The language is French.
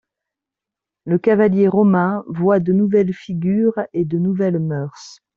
Le cavalier romain voit de nouvelles figures et de nouvelles mœurs.